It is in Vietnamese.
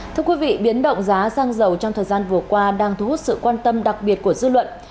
thưa quý vị biến động giá xăng dầu trong thời gian vừa qua đang thu hút sự quan tâm đặc biệt của dư luận